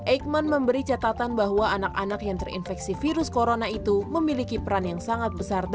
eijkman memberi catatan bahwa anak anak yang terinfeksi virus corona itu memiliki peran yang sangat besar